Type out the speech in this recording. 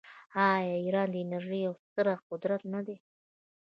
آیا ایران د انرژۍ یو ستر قدرت نه دی؟